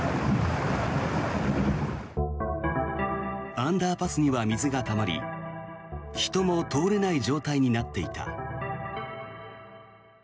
アンダーパスには水がたまり人も通れない状態になっていた。